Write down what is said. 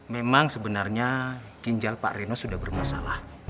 memang sebenarnya ginjal pak reno sudah bermasalah